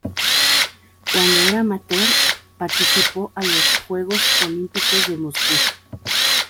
Cuando era amateur participó a los Juegos Olímpicos de Moscú.